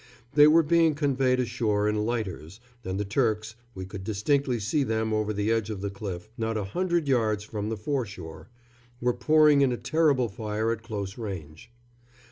They were being conveyed ashore in lighters, and the Turks we could distinctly see them over the edge of the cliff, not a hundred yards from the foreshore were pouring in a terrible fire at close range.